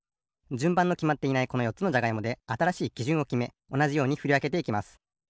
じゅんばんのきまっていないこのよっつのじゃがいもであたらしいきじゅんをきめおなじようにふりわけていきます。